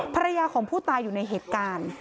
ภรรยาของผู้ตายอยู่ในเหตุการณ์